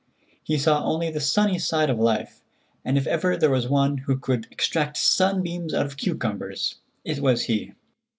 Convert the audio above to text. He saw only the sunny side of life, and if ever there was one who could extract sunbeams out of cucumbers, it was he.